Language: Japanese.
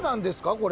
これ。